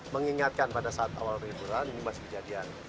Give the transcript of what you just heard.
mengingatkan pada saat awal liburan ini masih kejadian